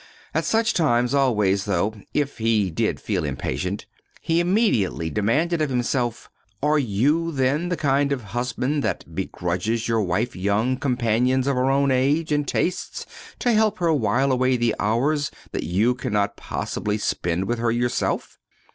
At such times, always, though, if he did feel impatient, he immediately demanded of himself: "Are you, then, the kind of husband that begrudges your wife young companions of her own age and tastes to help her while away the hours that you cannot possibly spend with her yourself?"